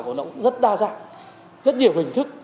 nó cũng rất đa dạng rất nhiều hình thức